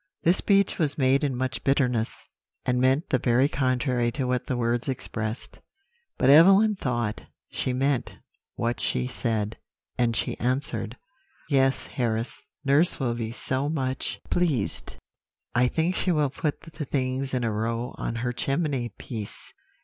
"This speech was made in much bitterness, and meant the very contrary to what the words expressed; but Evelyn thought she meant what she said, and she answered: "'Yes, Harris, nurse will be so much pleased; I think she will put the things in a row on her chimney piece.'